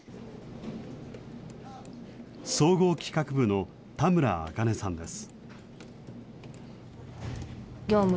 総合企画部の田村あかねさんです。